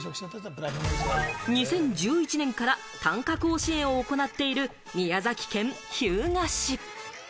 ２０１１年から短歌甲子園を行っている宮崎県日向市。